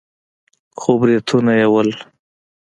خو برېتونه يې وو.